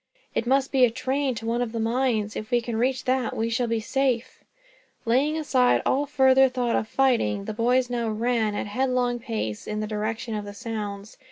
"It must be a train to one of the mines. If we can reach that, we shall be safe." Laying aside all further thought of fighting, the boys now ran, at headlong pace, in the direction of the sounds.